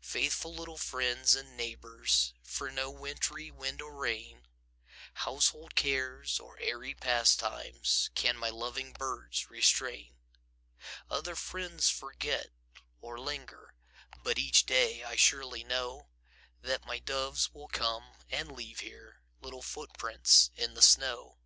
Faithful little friends and neighbors, For no wintry wind or rain, Household cares or airy pastimes, Can my loving birds restrain. Other friends forget, or linger, But each day I surely know That my doves will come and leave here Little footprints in the snow.